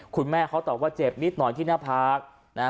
คุณแม่เขาตอบว่าเจ็บนิดหน่อยที่หน้าผากนะฮะ